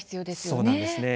そうなんですね。